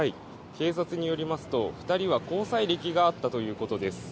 警察によりますと２人は交際歴があったということです。